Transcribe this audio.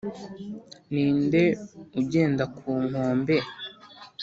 ninde ugenda ku nkombe,